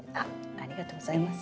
ありがとうございます。